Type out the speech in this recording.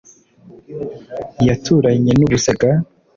yaturanye n'ubusega,